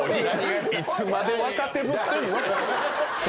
いつまで若手ぶってんの？